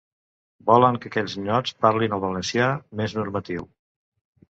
Volen que aquells ninots parlin el valencià més normatiu.